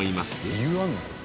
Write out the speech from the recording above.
理由あるの？